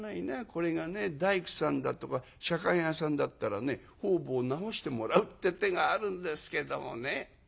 これがね大工さんだとか左官屋さんだったらね方々直してもらうって手があるんですけどもね」。